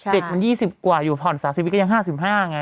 เด็กมัน๒๐กว่าอยู่ผ่อน๓๐วิทก็ยัง๕๕ไง